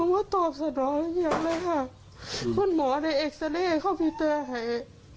ว่าตอบสนองอย่างไรครับคุณหมอในอีกสันเลของพิเตอร์ให้